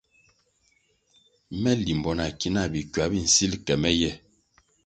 Me limbo na ki náh bikywa bi nsil ke me ye.